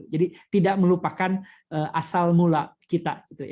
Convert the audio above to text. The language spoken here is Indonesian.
jadi tidak melupakan asal mula kita